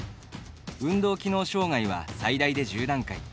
運動機能障がいは最大で１０段階。